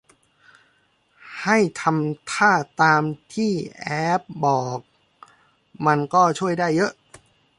ให้ทำท่าตามที่แอปบอก มันก็ช่วยได้เยอะ